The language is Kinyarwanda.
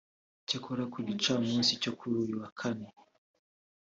Icyakora ku gicamunsi cyo kuri uyu wa Kane